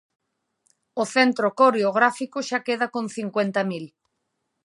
O Centro Coreográfico xa queda con cincuenta mil.